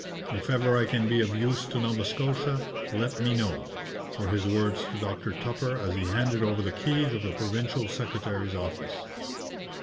'If ever I can be of use to Nova Scotia, let me know,' were his words to Dr Tupper as he handed over the keys of the provincial secretary's office.